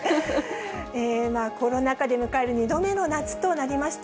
コロナ禍で迎える２度目の夏となりました。